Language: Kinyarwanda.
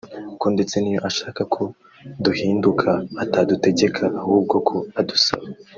Ko ndetse n'iyo ashaka ko duhinduka atadutegeka ahubwo ko adusaba